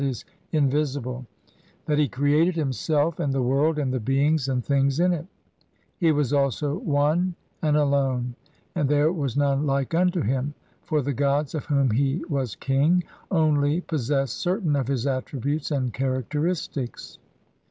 <\, invisible), that he created himself, and the world, and the beings and things in it ; he was also One and Alone, and there was none like unto him, for the gods, of whom he was king, only possessed certain of his attributes and characteristics.